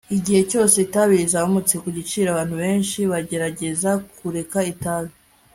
igihe cyose itabi rizamutse ku giciro, abantu benshi bagerageza kureka itabi